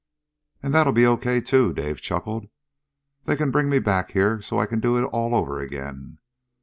"And that'll be okay, too!" Dave chuckled. "They can bring me back here, so's I can do it all over again.